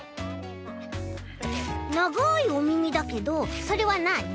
ながいおみみだけどそれはなに？